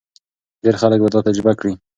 ډېر خلک به دا تجربه کړي.